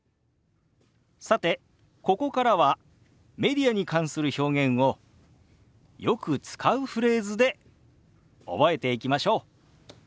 さてここからはメディアに関する表現をよく使うフレーズで覚えていきましょう。